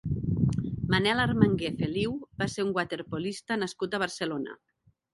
Manel Armangué Feliu va ser un waterpolista nascut a Barcelona.